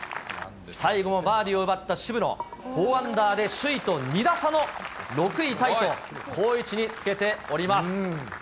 最後もバーディーを奪った渋野、４アンダーで首位と２打差の６位タイと、好位置につけております。